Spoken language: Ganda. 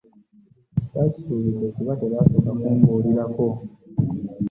Ssaakisuubidde kuba tebaasooka kumbulirako